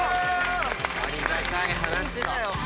ありがたい話だよ。